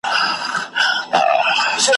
په واشنګټن کي ,